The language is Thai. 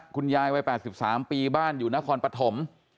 คุณยายวัย๘๓ปีบ้านอยู่นครปฐม